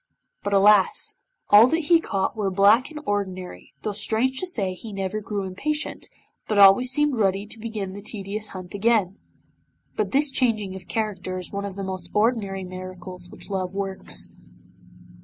But alas! all that he caught were black and ordinary, though strange to say he never grew impatient, but always seemed ready to begin the tedious hunt again. But this changing of character is one of the most ordinary miracles which love works.